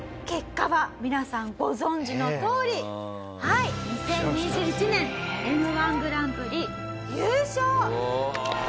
結果は皆さんご存じのとおり２０２１年Ｍ−１グランプリ優勝！